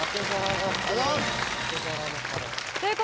ありがとうございます。